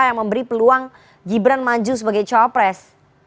yang memberi peluang gibran maju sebagai co pres